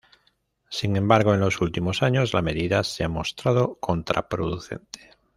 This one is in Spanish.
Sin embargo en los últimos años la medida se ha mostrado contraproducente.